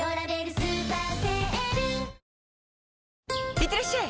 いってらっしゃい！